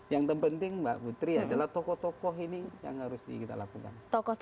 yang terpenting mbak putri adalah tokoh tokoh ini yang harus kita lakukan